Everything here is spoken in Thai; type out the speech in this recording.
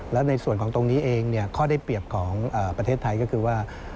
และในส่วนของตรงนี้เองข้อได้เปรียบของประเทศไทยก็คือว่า